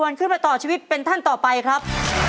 พ่อสนอเลือกตอบตัวเลือกที่๒คือแป้งมันครับ